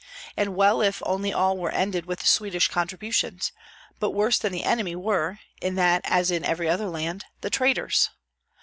And well if only all were ended with Swedish contributions; but worse than the enemy were, in that as in every other land, the traitors.